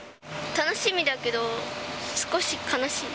楽しみだけど、少し悲しい。